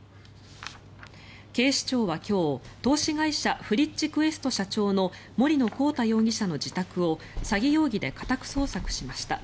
警視庁は今日投資会社フリッチクエスト社長の森野広太容疑者の自宅を詐欺容疑で家宅捜索しました。